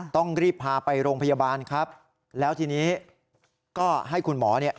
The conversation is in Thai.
ต้องรีบพาไปโรงพยาบาลครับแล้วทีนี้ก็ให้คุณหมอเนี่ย